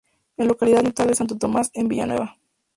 Es localidad natal de Santo Tomás de Villanueva.